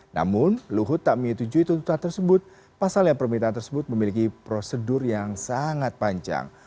namun luhut tak menyetujui tuntutan tersebut pasalnya permintaan tersebut memiliki prosedur yang sangat panjang